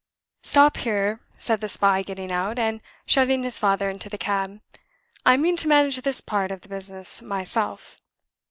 "Stop here," said the spy, getting out, and shutting his father into the cab. "I mean to manage this part of the business myself."